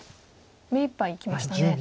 目いっぱいいきました。